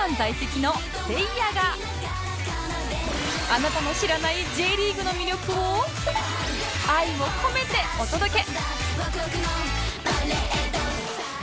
あなたの知らない Ｊ リーグの魅力を愛を込めてお届け！